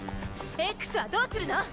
Ｘはどうするの？